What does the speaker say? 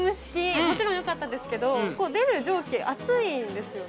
もちろんよかったんですけど出る蒸気熱いんですよね